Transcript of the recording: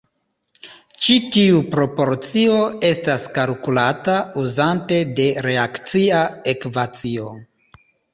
Ĉi tiu proporcio estas kalkulata uzante de reakcia ekvacio.